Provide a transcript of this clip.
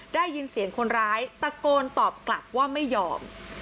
ได้ยินเสียงคนร้ายตะโกนตอบกลับว่าไม่ยอม